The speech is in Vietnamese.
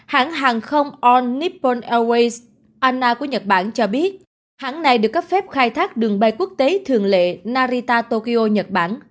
hãng hàng không all nippon airways ana của nhật bản cho biết hãng này được cấp phép khai thác đường bay quốc tế thường lệ narita tokyo nhật bản